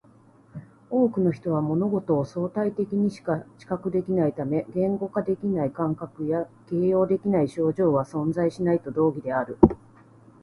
多くの人は物事を相対的にしか知覚できないため、言語化できない感覚や形容できない症状は存在しないと同義である